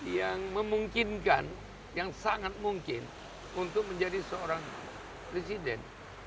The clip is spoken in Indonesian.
yang memungkinkan yang sangat mungkin untuk menjadi seorang presiden